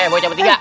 eh bocah bertiga